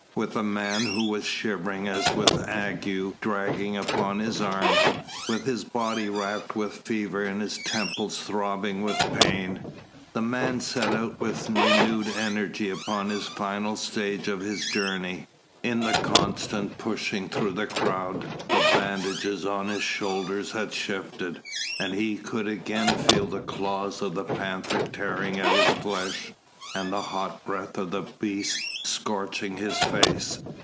With a man who was shivering as with ague dragging upon his arm, with his body racked with fever and his temples throbbing with pain, the man set out with renewed energy upon this final stage of his journey. In the constant pushing through the crowd the bandages on his shoulder had shifted, and he could again feel the claws of the panther tearing at his flesh, and the hot breath of the beast scorching his face.